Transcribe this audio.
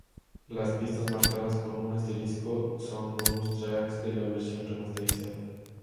Las pistas marcadas con un asterisco son bonus tracks de la versión remasterizada.